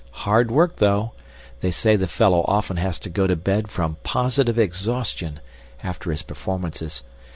Hard work, though. They say the fellow often has to go to bed from positive exhaustion, after his performances.